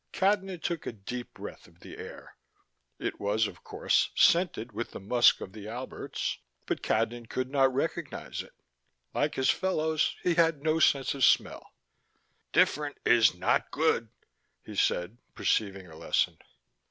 Cadnan took a deep breath of the air. It was, of course, scented with the musk of the Alberts, but Cadnan could not recognize it: like his fellows, he had no sense of smell. "Different is not good," he said, perceiving a lesson.